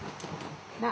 なあ。